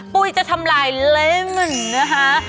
ปุ้ยจะทำลายเล่มนะคะ